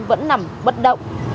vẫn nằm bất động